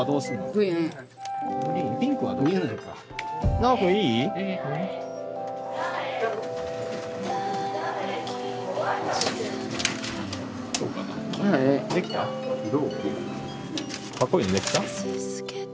かっこいいのできた？